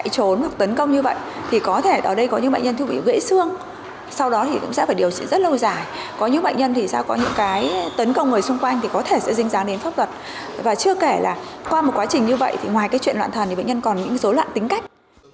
có thể sẽ dinh dáng đến pháp luật và chưa kể là qua một quá trình như vậy thì ngoài cái chuyện loạn thần thì bệnh nhân còn những dối loạn tính cách